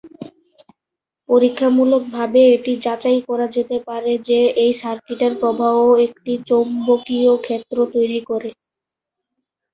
পরীক্ষামূলকভাবে এটি যাচাই করা যেতে পারে যে এই সার্কিটের প্রবাহ একটি চৌম্বকীয় ক্ষেত্র তৈরি করে।